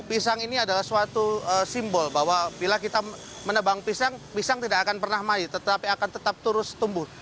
pisang ini adalah suatu simbol bahwa bila kita menebang pisang pisang tidak akan pernah mati tetapi akan tetap terus tumbuh